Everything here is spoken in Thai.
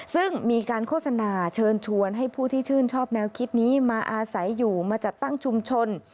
ซึ่งมีการโฆษณาเชิญชวนให้ผู้ที่ชื่นชอบแนวคิดนี้มาอาศัยอยู่มาจัดตั้งชุมชน